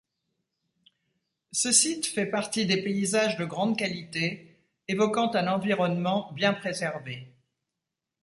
Ce site fait partie des paysages de grande qualité, évoquant un environnement bien préservés.